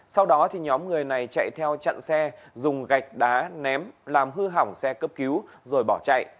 sau đó nhóm người này chạy theo chặn xe dùng gạch đá ném làm hư hỏng xe cấp cứu rồi bỏ chạy